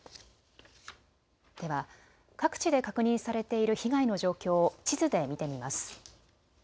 では各地で確認されている被害の状況を地図で見てみます。